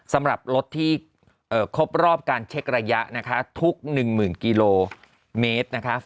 สำหรับรถที่ครบรอบการเช็กระยะนะคะทุก๑๐๐๐กิโลเมตรนะคะ